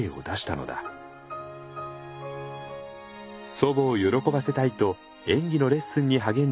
祖母を喜ばせたいと演技のレッスンに励んだ松村さん。